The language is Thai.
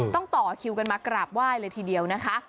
ต่อคิวกันมากราบไหว้เลยทีเดียวนะคะ